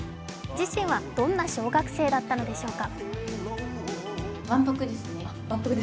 自身はどんな小学生だったのでしょうか？